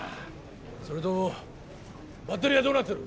それとバッテリーはどうなってる？